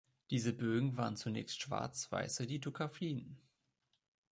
Diese Bögen waren zunächst schwarz-weiße Lithografien.